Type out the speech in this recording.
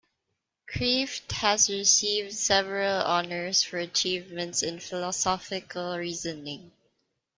Kreeft has received several honors for achievements in philosophical reasoning.